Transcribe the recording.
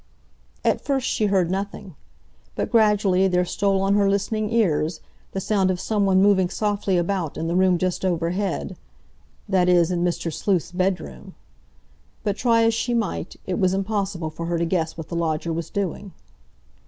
At first she heard nothing, but gradually there stole on her listening ears the sound of someone moving softly about in the room just overhead, that is, in Mr. Sleuth's bedroom. But, try as she might, it was impossible for her to guess what the lodger was doing.